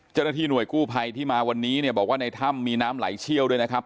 เจ้าหน้าที่หน่วยกู้ภัยที่มาวันนี้เนี่ยบอกว่าในถ้ำมีน้ำไหลเชี่ยวด้วยนะครับ